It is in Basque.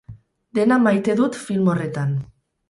Dena maite dut film horretan.